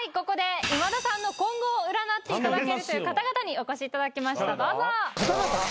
ここで今田さんの今後を占っていただけるという方々にお越しいただきましたどうぞ。